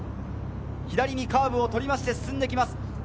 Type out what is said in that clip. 左にカーブを取って進んできます。